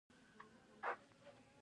د دوی حالت هم د غلامانو په څیر شو.